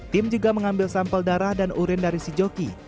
tim juga mengambil sampel darah dan urin dari si joki